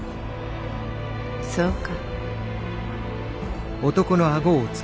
そうか。